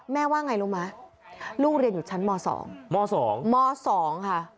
ว่าไงรู้ไหมลูกเรียนอยู่ชั้นม๒ม๒ม๒ค่ะ